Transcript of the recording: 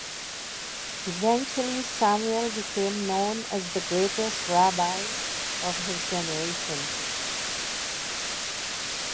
Eventually Samuel became known as the greatest rabbi of his generation.